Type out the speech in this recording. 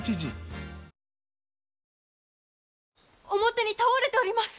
表に倒れております！